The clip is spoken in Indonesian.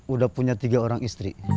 udah punya tiga orang istri